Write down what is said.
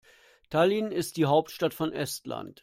Tallinn ist die Hauptstadt von Estland.